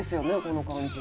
この感じ。